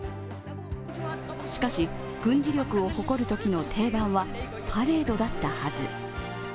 しかし、軍事力を誇るときの定番はパレードだったはず。